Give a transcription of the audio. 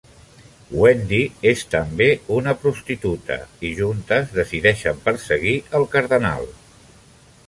Wendy és també una prostituta i juntes decideixen perseguir el cardenal.